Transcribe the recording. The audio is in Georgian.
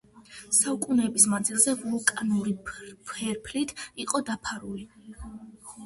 საუკუნეების მანძილზე ვულკანური ფერფლით იყო დაფარული.